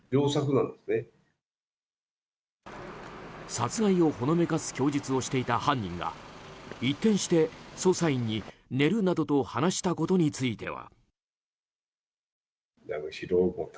殺害をほのめかす供述をしていた犯人が一転して捜査員に寝るなどと話したことについては。